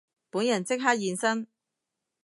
本人即刻現身